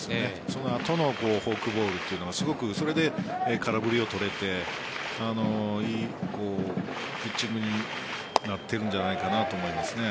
その後のフォークボールがすごくそれで空振りを取れていいピッチングになっているんじゃないかなと思います。